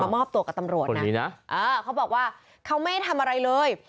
มอบตัวกับตำรวจนะเออเขาบอกว่าเขาไม่ได้ทำอะไรเลย